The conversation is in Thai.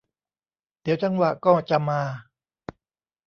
เดี๋ยวจังหวะก็จะมา